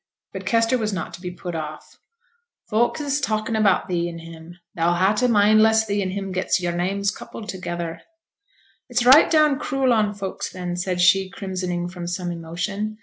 But Kester was not to be put off. 'Folks is talkin' about thee and him; thou'll ha' to mind lest thee and him gets yo'r names coupled together.' 'It's right down cruel on folks, then,' said she, crimsoning from some emotion.